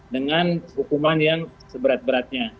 dengan hukuman yang seberat beratnya